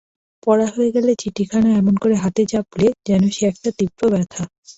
পড়া হয়ে গেলে চিঠিখানা এমন করে হাতে চাপলে যেন সে একটা তীব্র ব্যথা।